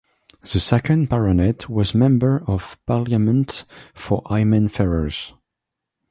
The second Baronet was Member of Parliament for Higham Ferrers.